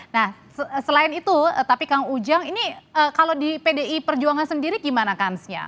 nah selain itu tapi kang ujang ini kalau di pdi perjuangan sendiri gimana kansnya